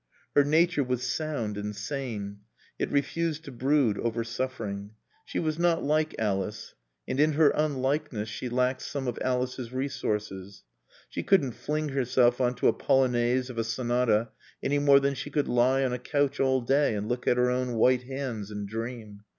Her nature was sound and sane; it refused to brood over suffering. She was not like Alice and in her unlikeness she lacked some of Alice's resources. She couldn't fling herself on to a Polonaise of a Sonata any more than she could lie on a couch all day and look at her own white hands and dream.